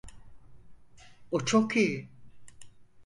O çok iyi.